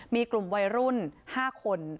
มีกลุ่มวัยรุ่น๕คน